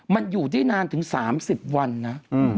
มันอยู่ได้นานถึง๓๐วันนะ